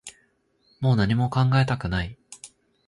もう何も考えたくない